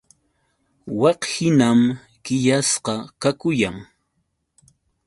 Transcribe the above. Wakhinam qillasqa kakuyan.